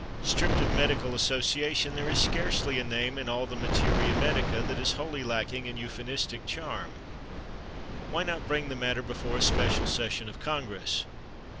Stripped of medical association there is scarcely a name in all the materia medica that is wholly lacking in euphonistic charm. Why not bring the matter before a Special Session of Congress?